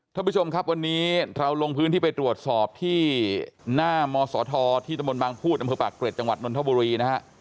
ท่านผู้ชมครับวันนี้เราลงพื้นที่ไปตรวจสอบที่หน้ามศธที่ตมบังพูดดปเกรดจนนทบุรี